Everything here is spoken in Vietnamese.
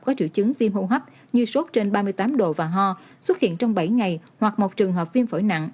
chứng phim hô hấp như sốt trên ba mươi tám độ và ho xuất hiện trong bảy ngày hoặc một trường hợp phim phổi nặng